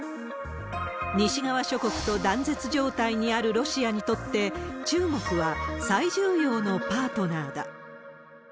西側諸国と断絶状態にあるロシアにとって、中国は最重要のパートナーだ。